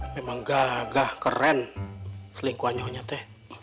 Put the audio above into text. memang gagah keren selingkuhannya nyete